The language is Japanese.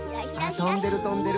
あっとんでるとんでる。